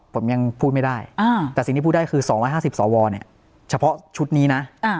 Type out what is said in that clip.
ผมยังพูดไม่ได้แต่สิ่งที่พูดได้คือ๒๕๐สวเนี่ยเฉพาะชุดนี้นะ